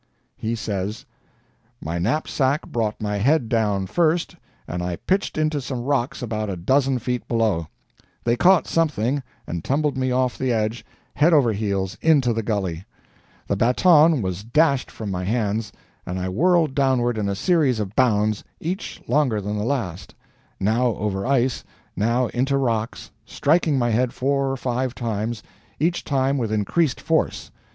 He says: "My knapsack brought my head down first, and I pitched into some rocks about a dozen feet below; they caught something, and tumbled me off the edge, head over heels, into the gully; the baton was dashed from my hands, and I whirled downward in a series of bounds, each longer than the last; now over ice, now into rocks, striking my head four or five times, each time with increased force.